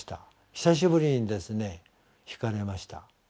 久しぶりにですねひかれました。